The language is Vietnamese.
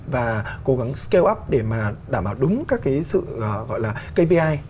và cố gắng scale up để mà đảm bảo đúng các cái sự gọi là kpi